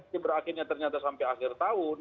di berakhirnya ternyata sampai akhir tahun